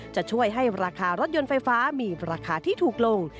จะช่วยให้ราคารถยนต์ไฟฟ้ามีราคาที่ถูกลง